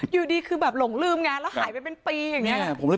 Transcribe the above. อยู่ดีคือแบบหลงลืมไงแล้วหายไปเป็นปีอย่างนี้